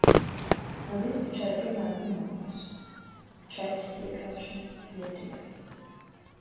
No dispečera pienāca ziņojums: četras iekraušanas Zviedrijai.